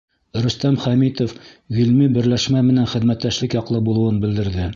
Рөстәм Хәмитов ғилми берләшмә менән хеҙмәттәшлек яҡлы булыуын белдерҙе.